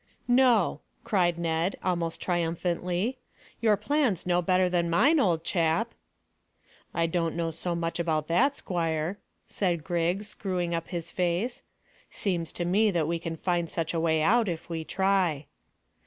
"No," cried Ned, almost triumphantly. "Your plan's no better than mine, old chap." "I don't know so much about that, squire," said Griggs, screwing up his face. "Seems to me that we can find such a way out if we try."